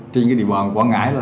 trên địa bàn quảng ngãi